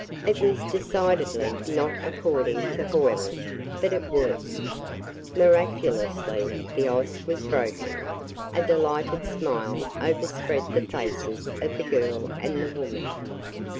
It was decidedly "not according to Hoyle" but it worked. Miraculously the ice was broken. A delighted smile overspread the faces of the girl and the woman.